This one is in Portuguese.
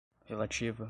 relativa